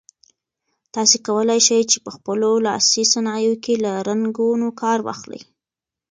تاسي کولای شئ په خپلو لاسي صنایعو کې له رنګونو کار واخلئ.